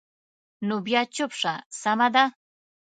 نو بیا چوپ شه، سمه ده.